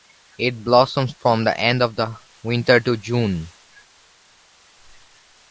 It blossoms from the end of the winter to June.